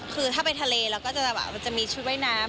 คือถ้าไปทะเลเราก็จะแบบมันจะมีชุดว่ายน้ำ